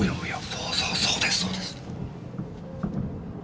そうそうそうですそうです。